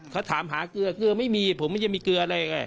เค้าถามหาเกลือเกลือไม่มีเนี่ยผมไม่มีเกลือเลย